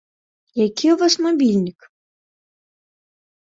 Які ў вас мабільнік?